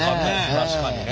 確かにね。